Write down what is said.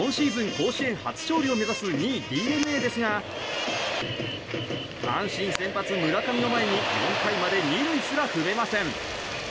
甲子園初勝利を目指す２位、ＤｅＮＡですが阪神先発、村上を前に２塁すら踏めません。